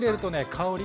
香り